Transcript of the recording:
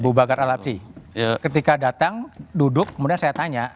abu bakar al absi ketika datang duduk kemudian saya tanya